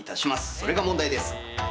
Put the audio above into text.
それが問題です！